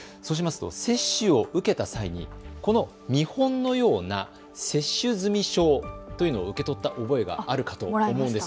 接種を受けた際にこの見本のような接種済証というのを受け取った覚えがあるかと思います。